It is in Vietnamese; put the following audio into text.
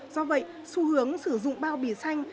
do vậy xu hướng sử dụng bao bì xanh